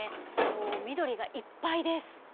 こう緑がいっぱいです。